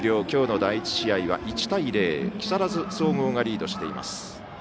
今日の第１試合は１対０木更津総合がリードしています。